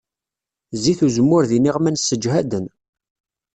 Zzit uzemmur d iniɣman sseǧhaden.